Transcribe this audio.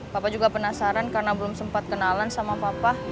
papa juga penasaran karena belum sempat kenalan sama papa